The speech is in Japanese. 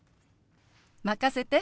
任せて。